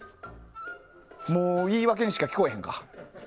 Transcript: もう、言い訳にしか聞こえへんか。